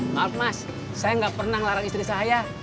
maaf mas saya nggak pernah ngelarang istri saya